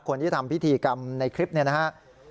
คนที่ทำพิธีกรรมในคลิปนี้นะครับ